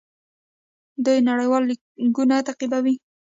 دوی نړیوال لیګونه تعقیبوي.